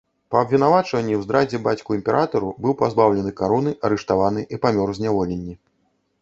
Па абвінавачванні ў здрадзе бацьку імператару быў пазбаўлены кароны, арыштаваны і памёр у зняволенні.